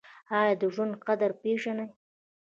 ایا د ژوند قدر پیژنئ؟